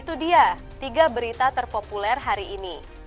itu dia tiga berita terpopuler hari ini